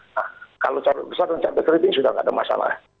nah kalau cabai besar dan cabai keriting sudah tidak ada masalah